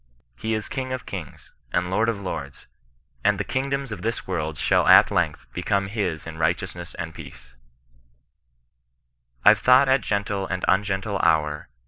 He is King of kings, and Lord of lords ; and the kingdoms of this world shall at length become his in righteov^ ness and peace, " I've thought at gentle and ungentle hour.